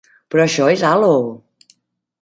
Però això és Halo.